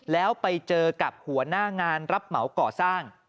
แล้วไปเจอกับหัวหน้างานรับเหมาก่อสร้าง